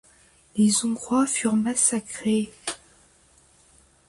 Les Hongrois furent massacrés.